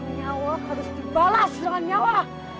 nyawa harus dibalas dengan nyawa